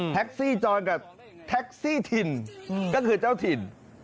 แท็กซี่จอดกับแท็กซี่ถิ่นก็คือเจ้าถิ่น